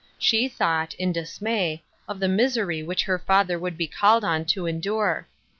She t}iought, in dismay, of the misery which her father would be called to endure.